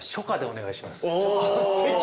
すてき。